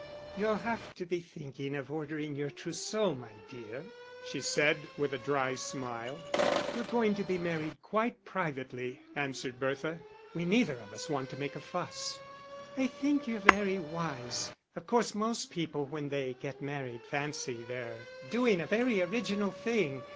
"You'll have to be thinking of ordering your trousseau, my dear," she said, with a dry smile. "We're going to be married quite privately," answered Bertha. "We neither of us want to make a fuss." "I think you're very wise. Of course most people, when they get married, fancy they're doing a very original thing.